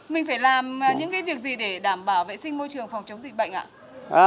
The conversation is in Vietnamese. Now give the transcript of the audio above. mình phải làm những cái việc gì để đảm bảo vệ sinh môi trường phòng chống dịch bệnh ạ